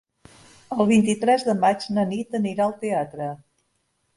El vint-i-tres de maig na Nit anirà al teatre.